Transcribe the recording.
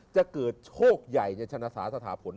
จะเจอโชคใหญ่ในชนศาสตร์สถาผล